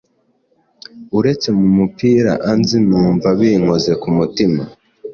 uretse mu mupira anzi numva binkoze ku mutima